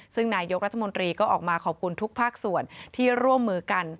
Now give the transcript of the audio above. ซึ่งนายกรัฐมนตรีก็ออกมาขอบคุณทุกภาคส่วนที่ร่วมมือกัน